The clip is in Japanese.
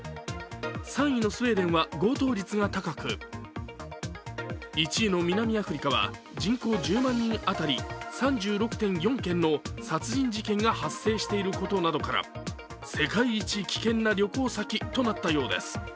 ３位のスウェーデンは強盗率が高く１位の南アフリカは人口１０万人当たり３６．４件の殺人事件が発生していることなどから世界一危険な旅行先となったようです。